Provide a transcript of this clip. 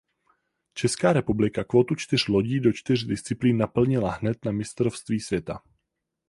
Česká republika kvótu čtyř lodí do čtyř disciplín naplnila hned na mistrovství světa.